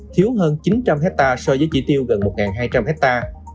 thiếu hơn chín trăm linh hectare so với chỉ tiêu gần một hai trăm linh hectare